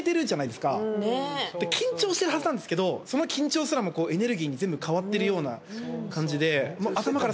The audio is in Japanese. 緊張してるはずなんですけどその緊張すらもエネルギーに全部変わってるような感じで。